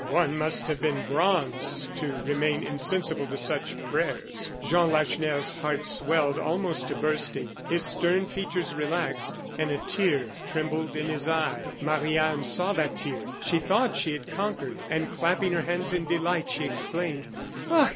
One must have been bronze to remain insensible to such prayers. Jean Lacheneur's heart swelled almost to bursting; his stern features relaxed, and a tear trembled in his eye. Marie Anne saw that tear. She thought she had conquered, and clapping her hands in delight, she exclaimed: "Ah!